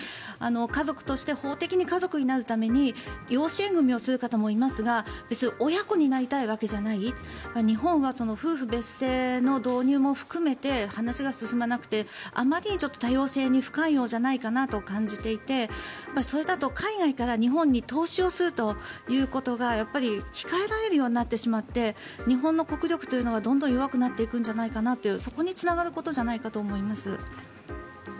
家族として法的に家族になるために養子縁組をする方もいますが別に親子になりたいわけじゃない日本は夫婦別姓の導入も含めて話が進まなくて、あまりに多様性に不寛容じゃないかなと感じていてそれだと海外から日本に投資をするということが控えられるようになってしまって日本の国力というのはどんどん弱くなっていくんじゃないかとそこにつながることじゃないかと思います。